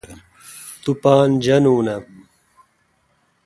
تو پان جانون اں؟